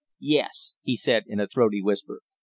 "Yes," he said in a throaty whisper.